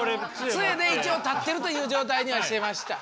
つえで一応立ってるという状態にはしてました。